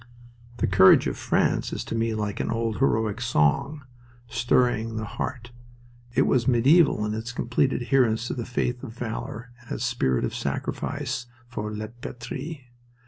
The courage of France is to me like an old heroic song, stirring the heart. It was medieval in its complete adherence to the faith of valor and its spirit of sacrifice for La Patrie.